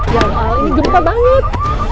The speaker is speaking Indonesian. ya allah ini gempa banget